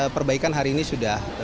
perbaikan hari ini sudah